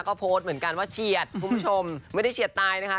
ก็โพสต์เหมือนกันว่าเฉียดคุณผู้ชมไม่ได้เฉียดตายนะคะ